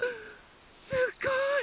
すごい！